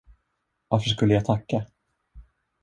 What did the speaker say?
Varför skulle jag tacka?